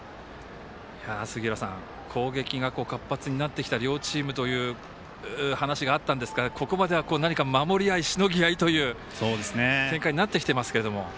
攻撃が活発になってきた両チームという話があったんですがここまでは守り合い、しのぎ合いという展開になってきてますけども。